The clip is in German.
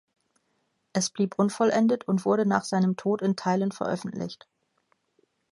Es blieb unvollendet und wurde nach seinem Tod in Teilen veröffentlicht.